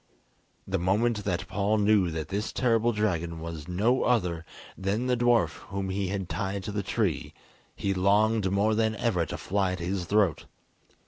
The moment that Paul knew that this terrible dragon was no other than the dwarf whom he had tied to the tree, he longed more than ever to fly at his throat.